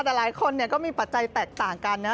แต่หลายคนก็มีปัจจัยแตกต่างกันนะ